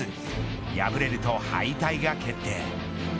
敗れると、敗退が決定。